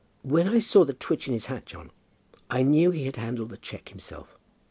"When I saw the twitch in his hat, John, I knew he had handled the cheque himself.